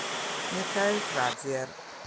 Michael Frazier